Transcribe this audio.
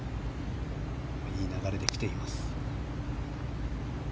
いい流れで来ています。